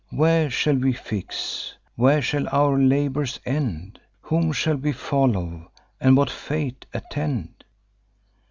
Where shall we fix? where shall our labours end? Whom shall we follow, and what fate attend?